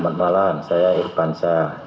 selamat malam saya irfan shah